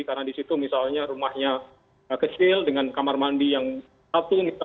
karena di situ misalnya rumahnya kecil dengan kamar mandi yang satu